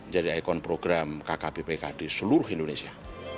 jadi ikon program kkb pk di seluruh indonesia